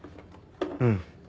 うん。